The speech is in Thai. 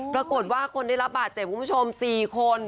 ปรากฏว่าคนได้รับบาดเจ็บคุณผู้ชม๔คน